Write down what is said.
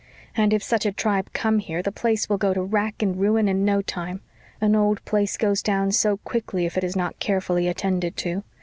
And if such a tribe come here the place will go to rack and ruin in no time an old place goes down so quickly if it is not carefully attended to.